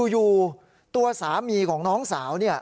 อยู่ตัวสามีของน้องสาว